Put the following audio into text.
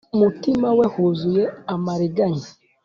mutima we huzuye amariganya: